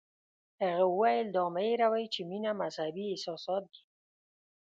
هغه وویل دا مه هیروئ چې مینه مذهبي احساسات دي.